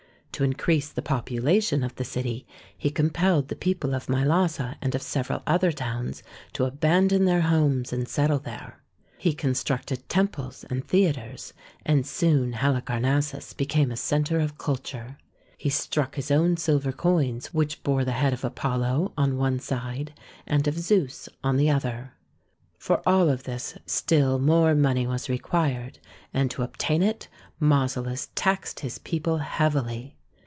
To increase the population of the city, he compelled the people of Mylasa and of several other towns to abandon their homes and settle there. He constructed temples and theatres, and soon Halicarnassus became a centre of culture. He struck his own silver coins which bore the head of Apollo on one side and of Zeus on the other. For all of this still more money was re THE TOMB OF KING MAUSOLUS 133 quired, and to obtain it Mausolus taxed his people heavily.